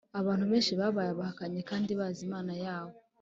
abantu benshi babaye abahakanyi kandi bazi imana yabo